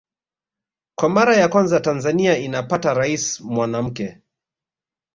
Kwa mara ya kwanza Tanzania inapata Rais mwanamke